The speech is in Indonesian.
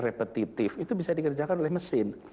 repetitif itu bisa dikerjakan oleh mesin